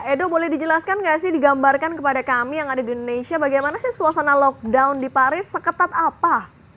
edo boleh dijelaskan nggak sih digambarkan kepada kami yang ada di indonesia bagaimana sih suasana lockdown di paris seketat apa